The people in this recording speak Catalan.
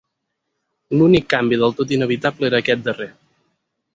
L'únic canvi del tot inevitable era aquest darrer.